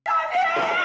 abi tangan dulu bi